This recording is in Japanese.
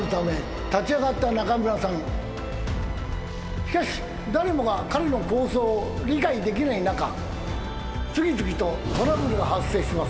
しかし誰もが彼の構想を理解できない中次々とトラブルが発生します。